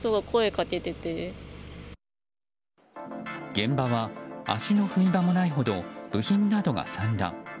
現場は足の踏み場もないほど部品などが散乱。